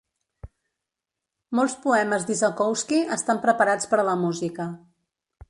Molts poemes d'Isakovsky estan preparats per a la música.